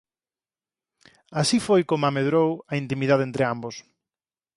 Así foi coma medrou a intimidade entre ambos.